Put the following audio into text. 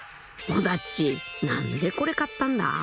［尾田っち何でこれ買ったんだ？］